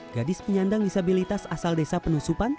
gadis penyandang disabilitas asal desa penusupan